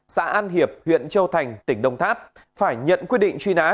xã an hiệp huyện châu thành tỉnh đông tháp phải nhận quyết định truy nã